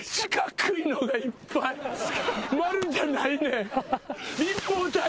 丸じゃないねん。